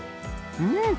うん！